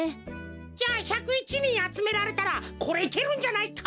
じゃ１０１にんあつめられたらこれいけるんじゃないか？